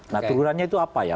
nah turunannya itu apa ya